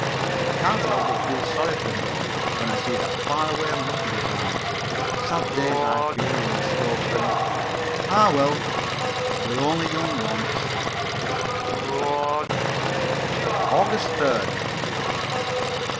I can't help but feel sorry for him though when I see that far away look in his eyes. Sad days I fear are in store for him. Ah, well, we're only young once. _August 3d.